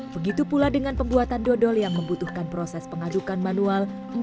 begitu pula dengan pembuatan dodol yang membutuhkan proses pengadukan manual